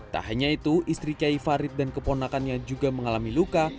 tak hanya itu istri kiai farid dan keponakannya juga mengalami luka